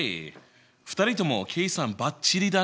２人とも計算ばっちりだね。